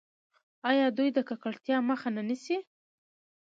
آیا دوی د ککړتیا مخه نه نیسي؟